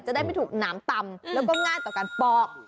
จะได้ไม่ถูกหนามตำแล้วก็ง่ายต่อการปอก